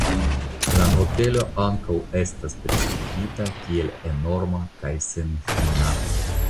La hotelo ankaŭ estas priskribita kiel enorma kaj senfina.